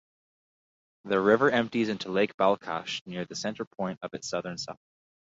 The river empties into Lake Balkhash near the centerpoint of its southern side.